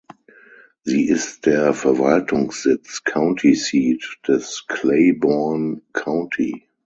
Sie ist der Verwaltungssitz (County Seat) des Claiborne County.